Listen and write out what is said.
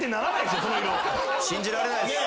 信じられないっす。